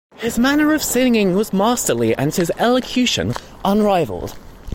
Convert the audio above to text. His manner of singing was masterly and his elocution unrivalled.